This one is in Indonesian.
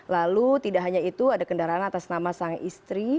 lalu tidak hanya itu ada kendaraan atas nama sang istri